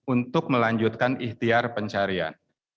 untuk melanjutkan ihtiar pencarian